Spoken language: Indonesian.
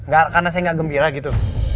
gak karena saya gak gembira gitu